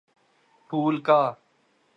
پھول کا